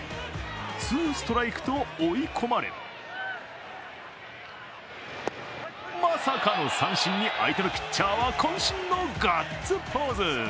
ツーストライクと追い込まれまさかの三振に相手のピッチャーはこん身のガッツポーズ。